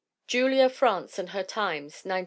Julia France and Her Times, 1912.